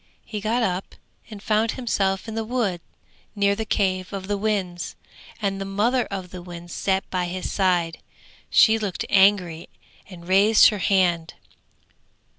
He got up and found himself in the wood near the cave of the winds, and the mother of the winds sat by his side. She looked angry and raised her hand.